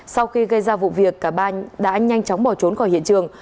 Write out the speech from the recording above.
sau khi gây ra vụ việc cả ba đã nhanh chóng bỏ trốn khỏi hiện trường